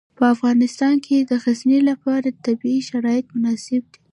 په افغانستان کې د غزني لپاره طبیعي شرایط مناسب دي.